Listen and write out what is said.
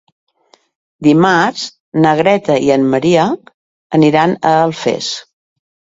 Dimarts na Greta i en Maria aniran a Alfés.